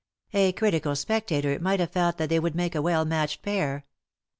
A critical spectator might have felt that they would make a well matched pair.